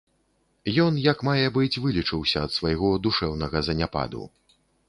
Ён як мае быць вылечыўся ад свайго душэўнага заняпаду.